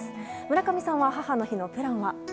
村上さんは、母の日のプランは？